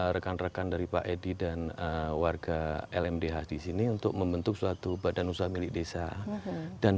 rekan rekan dari pak edi dan warga lmdh di sini untuk membentuk suatu badan usaha milik desa dan